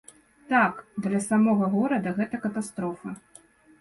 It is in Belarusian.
Так, для самога горада гэта катастрофа.